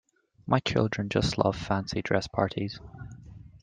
My children just love fancy dress parties